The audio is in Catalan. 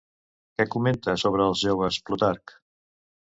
Què comenta sobre els joves Plutarc?